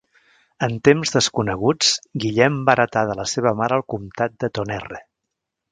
En temps desconeguts, Guillem va heretar de la seva mare el comtat de Tonnerre.